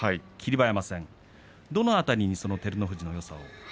馬山戦、どの辺りに照ノ富士のよさを？